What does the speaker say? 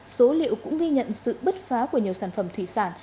số liệu cũng ghi nhận sự bứt phá của nhiều sản phẩm thủy sản